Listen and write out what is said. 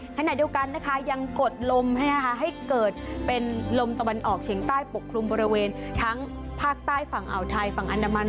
ขณะเดียวกันนะคะยังกดลมให้เกิดเป็นลมตะวันออกเฉียงใต้ปกคลุมบริเวณทั้งภาคใต้ฝั่งอ่าวไทยฝั่งอันดามัน